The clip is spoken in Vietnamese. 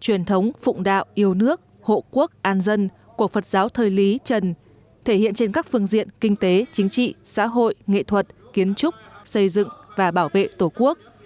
truyền thống phụng đạo yêu nước hộ quốc an dân của phật giáo thời lý trần thể hiện trên các phương diện kinh tế chính trị xã hội nghệ thuật kiến trúc xây dựng và bảo vệ tổ quốc